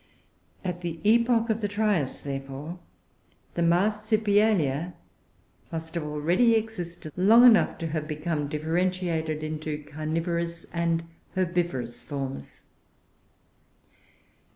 At the epoch of the Trias, therefore, the Marsupialia must have already existed long enough to have become differentiated into carnivorous and herbivorous forms.